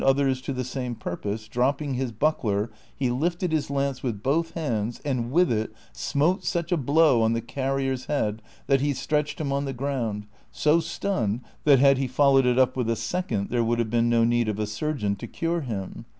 17 and otliers to the same purpose, dropping his buckh'r he lifted his hiuce with both hands and with it smote such a blow on the carrier's head that he stretched him on the ground so stunned that had he followed it up w itli a second there Avould have been no need of a surgeon to cure him.